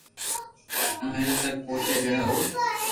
مھل تڪ پوچي جڻي او